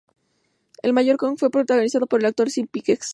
El mayor Kong fue protagonizado por el actor Slim Pickens.